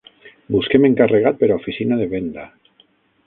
Busquem encarregat per a oficina de venda.